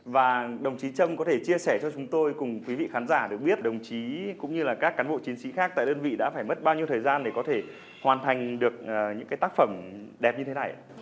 và đồng chí trâm có thể chia sẻ cho chúng tôi cùng quý vị khán giả được biết đồng chí cũng như là các cán bộ chiến sĩ khác tại đơn vị đã phải mất bao nhiêu thời gian để có thể hoàn thành được những tác phẩm đẹp như thế này